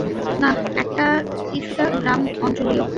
নাহ, এটা কিছুটা গ্রাম অঞ্চলিয়।